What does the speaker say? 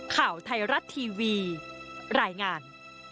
ข่าวไทยรัฐทีวีรายงาน